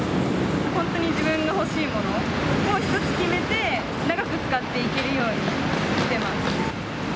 本当に自分の欲しいものを一つ決めて、長く使っていけるようにしてます。